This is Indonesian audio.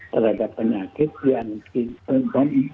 terhadap penyakit yang kita rasa itu tidak berhasil